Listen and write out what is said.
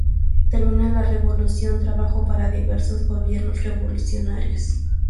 Terminada la Revolución trabajó para diversos Gobiernos revolucionarios.